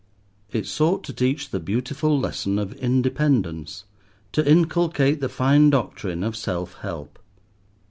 It sought to teach the beautiful lesson of independence, to inculcate the fine doctrine of self help.